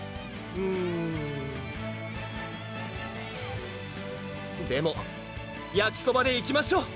うんでもやきそばでいきましょう